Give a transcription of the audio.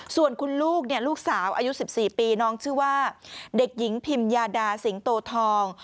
ส่วนคุณลูกเนี่ยลูกสาวอายุ๑๔ปีน้องชื่อว่าเด็กหญิงพิมยาดาสิงโตทอง